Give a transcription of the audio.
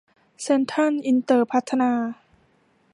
เซ็นทรัลอินเตอร์พัฒนา